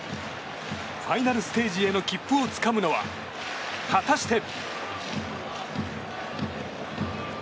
ファイナルステージへの切符をつかむのは、果たして。